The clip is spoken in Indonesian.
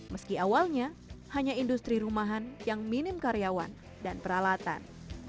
meski awalnya hanya industri rumahan yang minim karyawan dan peralatan